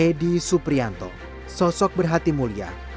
edy suprianto sosok berhati mulia